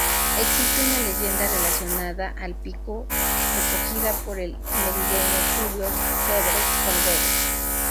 Existe una leyenda relacionada al pico recogida por el merideño Tulio Febres Cordero.